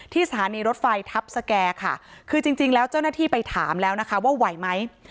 สถานีรถไฟทัพสแก่ค่ะคือจริงแล้วเจ้าหน้าที่ไปถามแล้วนะคะว่าไหวไหม